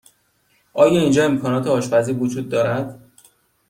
آیا اینجا امکانات آشپزی وجود دارد؟